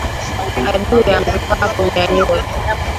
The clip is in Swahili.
Adui aangukapo mnyanyue